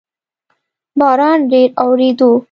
باران ډیر اووریدو